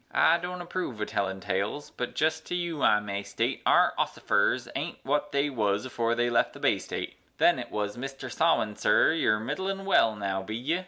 I don't approve o' tellin' tales, but jest to you I may state Our ossifers aint wut they wuz afore they left the Bay State; Then it wuz "Mister Sawin, sir, you're midd'lin well now, be ye?